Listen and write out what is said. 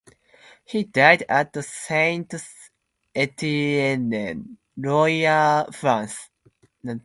He died at Saint Etienne, Loire, France.